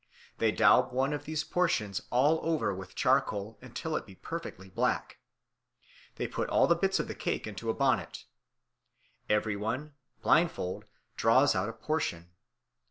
They daub one of these portions all over with charcoal, until it be perfectly black. They put all the bits of the cake into a bonnet. Every one, blindfold, draws out a portion.